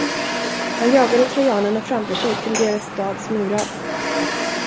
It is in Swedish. Han jagade trojanerna framför sig till deras stads murar.